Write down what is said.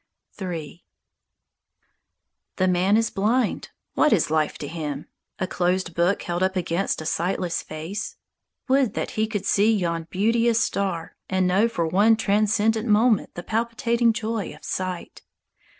III "The man is blind. What is life to him? A closed book held up against a sightless face. Would that he could see Yon beauteous star, and know For one transcendent moment The palpitating joy of sight!"